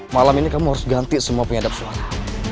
malam ini kamu harus ganti semua penyadap suara